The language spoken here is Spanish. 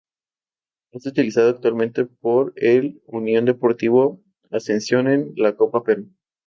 Es utilizado actualmente por el Unión Deportivo Ascensión en la Copa Perú.